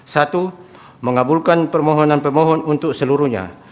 satu mengabulkan permohonan pemohon untuk seluruhnya